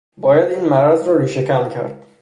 باید این مرض را ریشه کن کرد